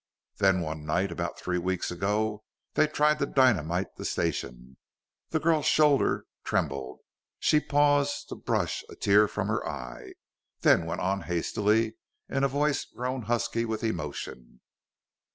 "Then one night, about three weeks ago, they tried to dynamite the station." The girl's shoulder trembled; she paused to brush a tear from her eye, then went on hastily, in a voice grown husky with emotion.